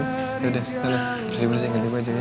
udah udah persih persih ganti baju aja ya